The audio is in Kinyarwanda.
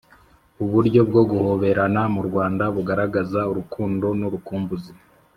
uburyo bwo guhoberana mu rwanda bugaragaza urukundo n‘urukumbuzi